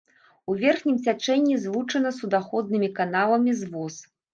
У верхнім цячэнні злучана суднаходнымі каналамі з воз.